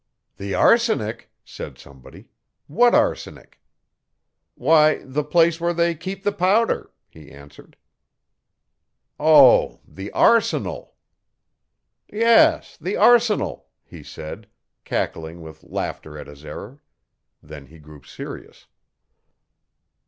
'The arsenic,' said somebody, 'what arsenic?' 'Why the place where they keep the powder,' he answered. 'Oh! the arsenal.' 'Yes, the arsenal,' he said, cackling with laughter at his error. Then he grew serious.